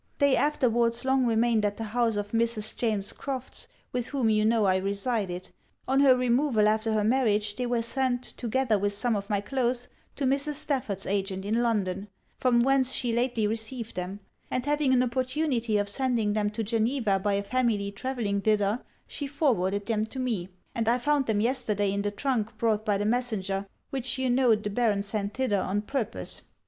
They afterwards long remained at the house of Mrs. James Crofts, with whom you know I resided; on her removal after her marriage, they were sent, together with some of my cloaths, to Mrs. Stafford's agent in London; from whence she lately received them; and having an opportunity of sending them to Geneva by a family travelling thither, she forwarded them to me, and I found them yesterday in the trunk brought by the messenger which you know the Baron sent thither on purpose.'